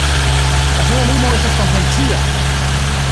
La suda limo estas konvencia.